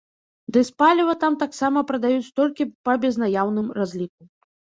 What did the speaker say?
Дызпаліва там таксама прадаюць толькі па безнаяўным разліку.